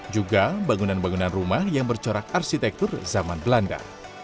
juga bangunan bangunan rumah yang bercorak arsitektur zaman belanda